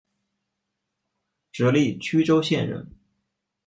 直隶曲周县人。